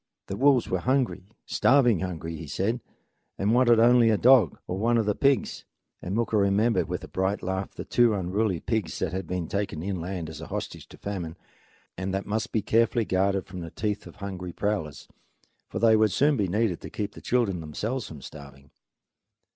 The wolves were hungry, starving hungry, he said, and wanted only a dog, or one of the pigs. And Mooka remembered with a bright laugh the two unruly pigs that had been taken inland as a hostage to famine, and that must be carefully guarded from the teeth of hungry prowlers, for they would soon be needed to keep the children themselves from starving.